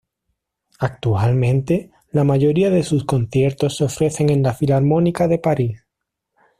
Actualmente, la mayoría de sus conciertos se ofrecen en la Filarmónica de París.